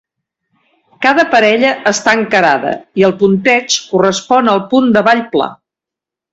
Cada parella està encarada i el punteig correspon al punt de ball pla.